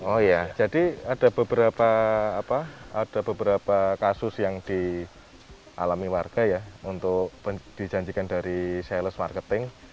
oh iya jadi ada beberapa kasus yang dialami warga ya untuk dijanjikan dari sales marketing